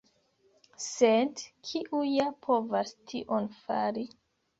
Sed kiu ja povas tion fari?